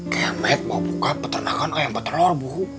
kayak med bawa buka peternakan kayak petelor bu